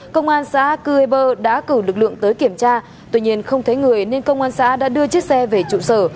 công an xã cư ê bơ đã cử lực lượng tới kiểm tra tuy nhiên không thấy người nên công an xã đã đưa chiếc xe về trụ sở